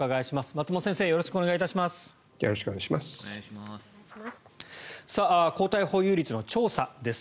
松本先生よろしくお願いします。